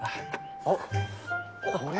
あっこれ。